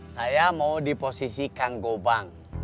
saya mau di posisi kang gobang